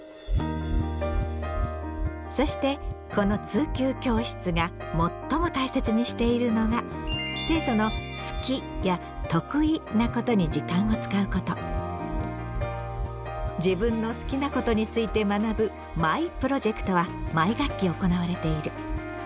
そしてこの通級教室が最も大切にしているのが生徒の自分の好きなことについて学ぶ「マイ・プロジェクト」は毎学期行われている。